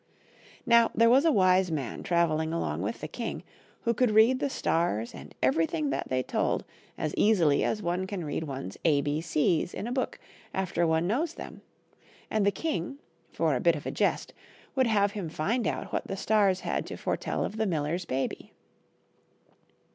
Now there was a wise man travelling along with the king, who could read the stars and everything that they told as easily as one can read one's A B C's in a book after one knows them, and the king, for a bit of a jest, would have him find out what the stars had to foretell of the miller's baby.